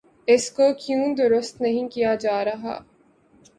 اس کو کیوں درست نہیں کیا جا رہا؟